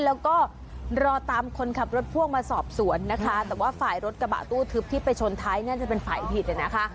แล้วก็รอตามคนขับรถพ่วงมาสอบสวนนะคะแต่ว่าฝ่ายรถกระบะตู้ทึบที่ไปชนท้ายน่าจะเป็นฝ่ายผิดนะคะ